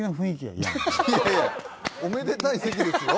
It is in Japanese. いやいやおめでたい席ですよ。